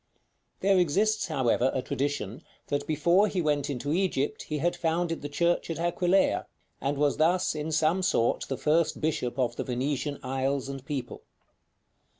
There exists, however, a tradition that before he went into Egypt he had founded the Church at Aquileia, and was thus, in some sort, the first bishop of the Venetian isles and people.